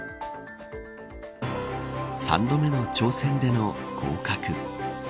３度目の挑戦での合格。